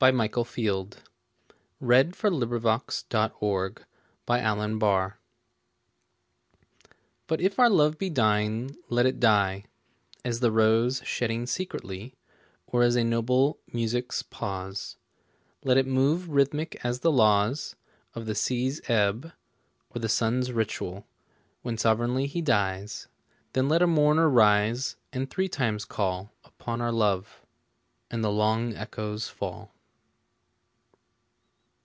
M N . O P . Q R . S T . U V . W X . Y Z But if our love be dying BUT if our love be dying let it die As the rose shedding secretly, Or as a noble music's pause: Let it move rhythmic as the laws Of the sea's ebb, or the sun's ritual When soverignly he dies: Then let a mourner rise and three times call Upon our love, and the long echoes fall.